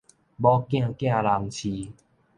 某囝寄人飼